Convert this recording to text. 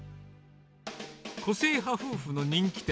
個性派夫婦の人気店。